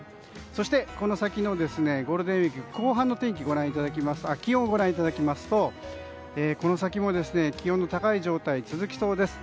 そして、この先のゴールデンウィーク後半の気温をご覧いただきますとこの先も気温の高い状態が続きそうです。